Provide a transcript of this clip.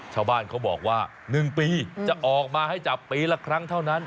ชาวบ้านเขาบอกว่า๑ปีจะออกมาให้จับปีละครั้งเท่านั้น